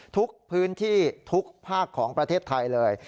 ทุกพื้นที่ทุกภาคของประเทศไทยเลย